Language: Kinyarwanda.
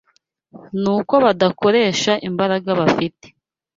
n’uko badakoresha imbaraga bafite